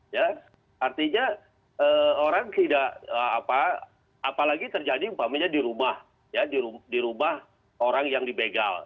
ya artinya orang tidak apalagi terjadi di rumah di rumah orang yang dibegal